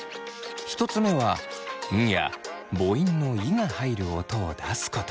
１つ目は「ん」や母音の「い」が入る音を出すこと。